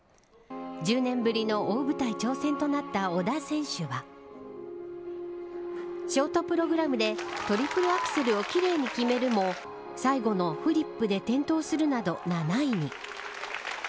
１０年ぶりの大舞台挑戦となった織田選手はショートプログラムでトリプルアクセルを奇麗に決めるも最後のフリップで転倒するなど７位に。